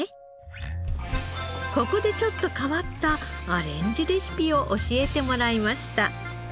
ここでちょっと変わったアレンジレシピを教えてもらいました。